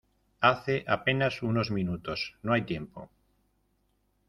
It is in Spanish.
hace apenas unos minutos. no hay tiempo .